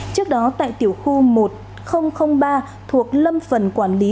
trước đó tại tiểu khu một nghìn ba thuộc lâm phần quảng độ